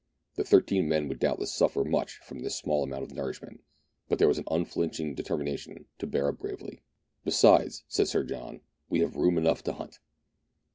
The thirteen men would doubtless suffer much from this small amount of nourishment, but there was an unflinching determination to bear up bravely. "Besides," said Sir John, "we have room enough to hunt."